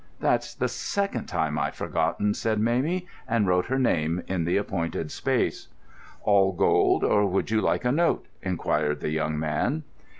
"That's the second time I've forgotten," said Mamie, and wrote her name in the appointed space. "All gold, or would you like a note?" inquired the young man.